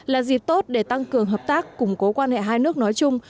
là dịp tốt để tăng cường hợp tác củng cố quan hệ hai nước nói chung